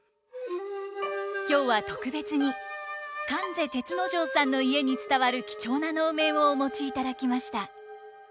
今日は特別に観世銕之丞さんの家に伝わる貴重な能面をお持ちいただきました。